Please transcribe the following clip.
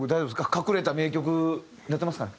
隠れた名曲になってますかね？